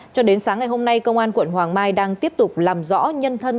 cho đến sáng ngày hôm nay công an quận hoàng mai đang tiếp tục làm rõ nhân thân